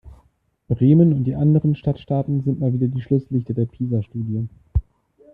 Bremen und die anderen Stadtstaaten sind mal wieder die Schlusslichter der PISA-Studie.